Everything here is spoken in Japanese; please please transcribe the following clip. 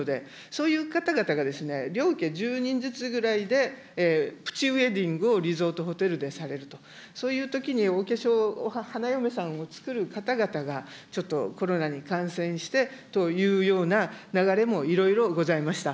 そういう方々が、両家１０人ずつぐらいでプチウエディングをリゾートホテルでされると、そういうときにお化粧、花嫁さんをつくる方々が、ちょっとコロナに感染してというような流れもいろいろございました。